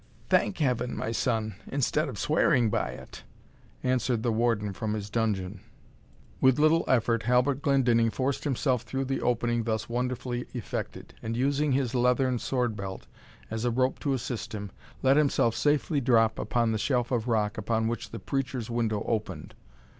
"Thank Heaven, my son, instead of swearing by it," answered Warden from his dungeon. With little effort Halbert Glendinning forced himself through the opening thus wonderfully effected, and using his leathern sword belt as a rope to assist him, let himself safely drop on the shelf of rock upon which the preacher's window opened.